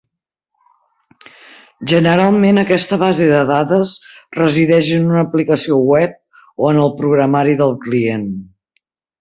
Generalment aquesta base de dades resideix en una aplicació web o en el programari del client.